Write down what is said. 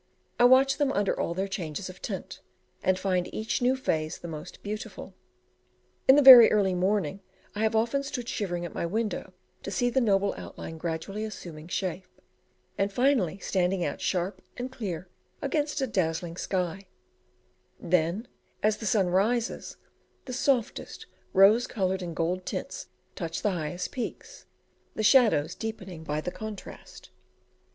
I watch them under all their changes of tint, and find each new phase the most beautiful. In the very early morning I have often stood shivering at my window to see the noble outline gradually assuming shape, and finally standing out sharp and clear against a dazzling sky; then, as the sun rises, the softest rose coloured and golden tints touch the highest peaks, the shadows deepening by the contrast.